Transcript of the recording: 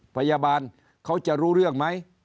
พยาบาลเขาจะรู้เรื่องไหม